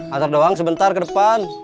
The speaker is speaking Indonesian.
antar doang sebentar ke depan